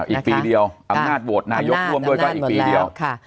อีกปีเดียวอำนาจโหวตนายกร่วมด้วยก็อีกปีเดียว